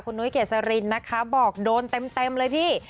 นุ้ยเกษรินนะคะบอกโดนเต็มเลยพี่